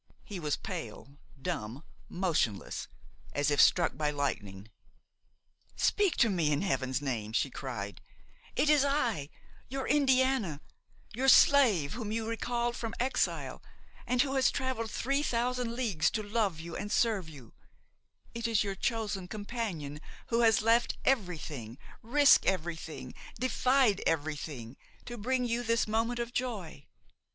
He was pale, dumb, motionless, as if struck by lightning. "Speak to me, in Heaven's name," she cried; "it is I, your Indiana, your slave whom you recalled from exile and who has travelled three thousand leagues to love you and serve you; it is your chosen companion, who has left everything, risked everything, defied everything, to bring you this moment of joy!